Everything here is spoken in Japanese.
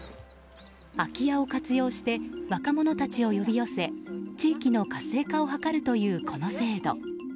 空き家を活用して若者たちを呼び寄せ地域の活性化を図るというこの制度。